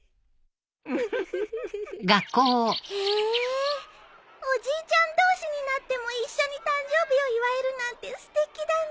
フフフ。へおじいちゃん同士になっても一緒に誕生日を祝えるなんてすてきだね。